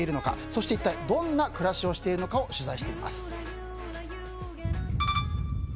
そして、一体どんな暮らしをしているのかを取材しています。